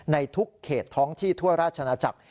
ในทุกเขตท้องที่ทั่วราชนาจักร